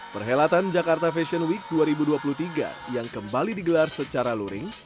perhelatan jakarta fashion week dua ribu dua puluh tiga yang kembali digelar secara luring